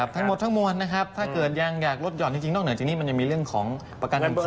ทั้งหมดทั้งมวลนะครับถ้าเกิดยังอยากลดยอดนอกจริงมันมีเลื่อนของประกันสังคม